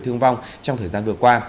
thương vong trong thời gian vừa qua